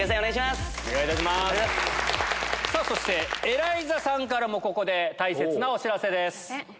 エライザさんからもここで大切なお知らせです。